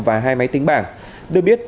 và hai máy tính bảng được biết